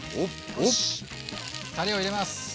よしたれを入れます。